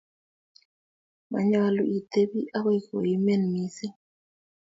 Manyalu itebi akoy koimen missing'.